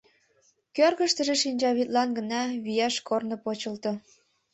Кӧргыштыжӧ шинчавӱдлан гына вияш корно почылто.